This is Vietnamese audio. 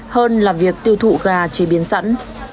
hơn là việc tiêu thụ gà chế biến sẵn